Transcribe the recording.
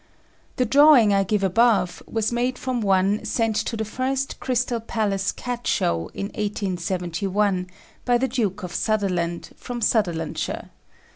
The drawing I give above was made from one sent to the first Crystal Palace Cat Show in 1871, by the Duke of Sutherland, from Sutherlandshire.